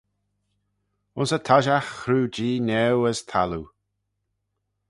Ayns y toshiaght chroo Jee niau as y thalloo.